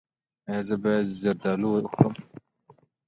ایا زه باید زردالو وخورم؟